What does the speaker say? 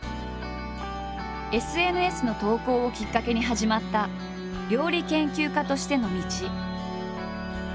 ＳＮＳの投稿をきっかけに始まった料理研究家としての道。